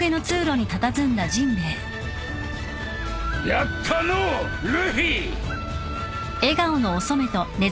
やったのうルフィ！